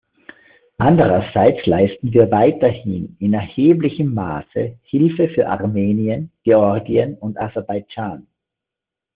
Andererseits leisten wir weiterhin in erheblichem Maße Hilfe für Armenien, Georgien und Aserbeidschan.